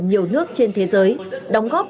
nhiều nước trên thế giới đóng góp